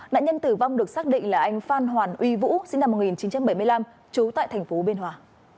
nạn nhân tử vong được xác định là anh phan hoàn uy vũ sinh năm một nghìn chín trăm bảy mươi năm trú tại thành phố biên hòa